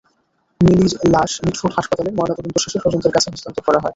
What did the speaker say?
মিলির লাশ মিটফোর্ড হাসপাতালে ময়নাতদন্ত শেষে স্বজনদের কাছে হস্তান্তর করা হয়।